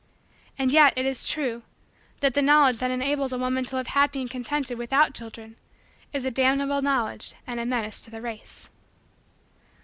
And yet, it is true, that the knowledge that enables a woman to live happy and contented without children is a damnable knowledge and a menace to the race.